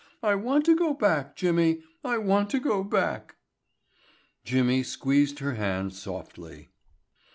I want to go back, Jimmy, I want to go back." Jimmy squeezed her hand softly.